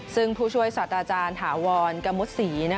ซึ่งผู้ช่วยสัตว์อาจารย์ถาวรกะมุษี